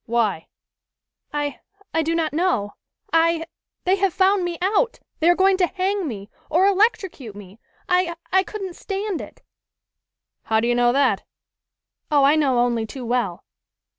"Why?" "I I do not know. I they have found me out! They are going to hang me, or electrocute me! I I couldn't stand it!" "How do you know that?" "Oh, I know only too well."